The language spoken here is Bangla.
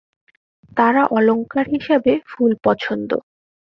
তারা অলঙ্কার হিসাবে ফুল পছন্দ।